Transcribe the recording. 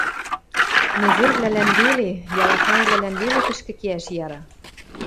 – Незервлӓлӓн веле, ялахайвлӓлӓн веле тӹшкӹ кеӓш яра.